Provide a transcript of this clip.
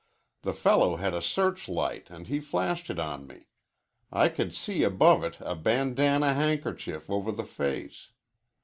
The fellow had a searchlight an' he flashed it on me. I could see above it a bandanna handkerchief over the face.